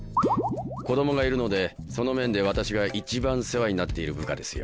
子供がいるのでその面で私が一番世話になっている部下ですよ。